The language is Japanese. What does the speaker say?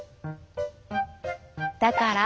だから。